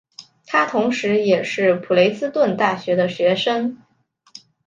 他同时也是普雷斯顿大学的学生。